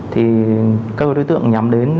thì các đối tượng nhắm đến